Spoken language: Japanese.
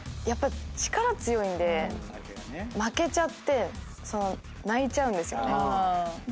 やっぱ力強いんで負けちゃって泣いちゃうんですよね。